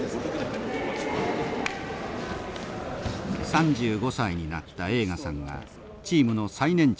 ３５歳になった栄花さんはチームの最年長です。